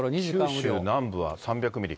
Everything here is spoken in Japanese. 九州南部は３００ミリ。